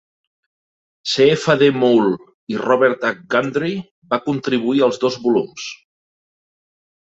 C. F. D. Moule i Robert H. Gundry va contribuir als dos volums.